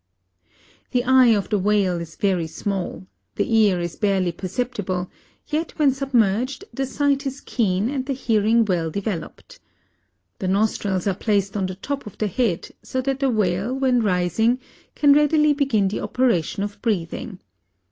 The eye of the whale is very small; the ear is barely perceptible, yet when submerged, the sight is keen and the hearing well developed. The nostrils are placed on the top of the head, so that the whale when rising can readily begin the operation of breathing.